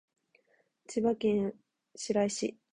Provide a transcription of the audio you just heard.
千葉県白井市